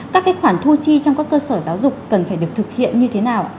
các khoản thu chi trong các cơ sở giáo dục cần phải được thực hiện như thế nào